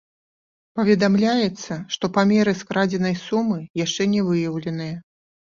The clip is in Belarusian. Паведамляецца, што памеры скрадзенай сумы яшчэ не выяўленыя.